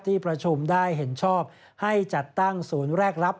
ที่ประชุมได้เห็นชอบให้จัดตั้งศูนย์แรกรับ